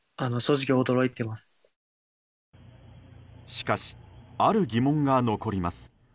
しかし、ある疑問が残ります。